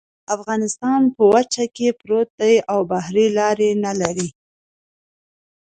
افغانستان په وچه کې پروت دی او بحري لارې نلري